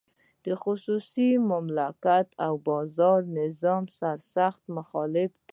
د خصوصي مالکیت او بازار نظام سرسخت مخالف دی.